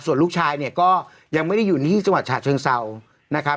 ส่วนลูกชายเนี่ยก็ยังไม่ได้อยู่ที่จังหวัดฉะเชิงเศร้านะครับ